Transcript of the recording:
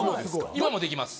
今もできます